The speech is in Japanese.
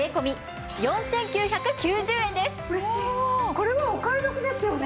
これはお買い得ですよね？